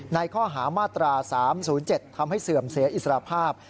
ในข้อหามาตรา๓๐๗ทำให้เสื่อมเสียอิสระภาพ